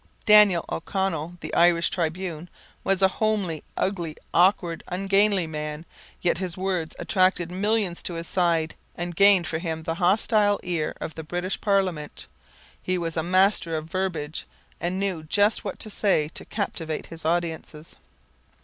Daniel O'Connell, the Irish tribune, was a homely, ugly, awkward, ungainly man, yet his words attracted millions to his side and gained for him the hostile ear of the British Parliament, he was a master of verbiage and knew just what to say to captivate his audiences.